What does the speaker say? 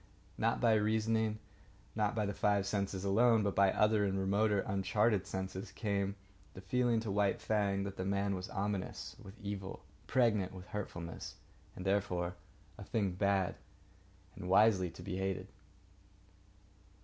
Not by reasoning, not by the five senses alone, but by other and remoter and uncharted senses, came the feeling to White Fang that the man was ominous with evil, pregnant with hurtfulness, and therefore a thing bad, and wisely to be hated.